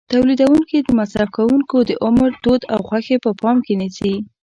تولیدوونکي د مصرف کوونکو د عمر، دود او خوښې په پام کې نیسي.